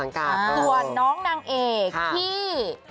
ส่วนน้องนางเอกที่